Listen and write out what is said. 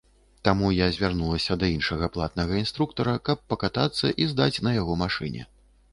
Таму я звярнулася да іншага платнага інструктара, каб пакатацца і здаць на яго машыне.